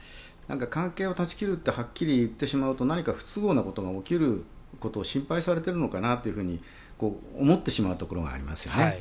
関係を断ち切るってはっきり言ってしまうと何か不都合なことが起きることを心配されているのかなと思ってしまうところがありますよね。